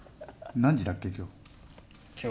何時だっけ今日。